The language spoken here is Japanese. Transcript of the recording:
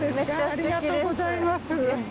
ありがとうございます。